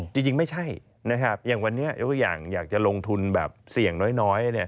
จริงไม่ใช่อย่างวันนี้อย่างอยากจะลงทุนแบบเสี่ยงน้อย